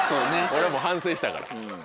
俺もう反省したから。